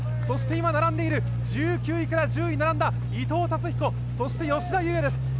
そして今、並んでしる１９位から１０位に並んだ伊藤達彦、そして吉田祐也です。